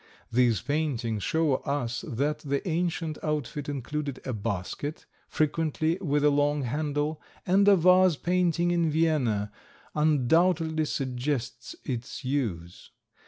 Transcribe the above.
These paintings show us that the ancient outfit included a basket, frequently with a long handle, and a vase painting in Vienna undoubtedly suggests its use.